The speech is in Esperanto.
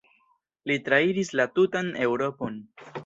Li trairis la tutan Eŭropon.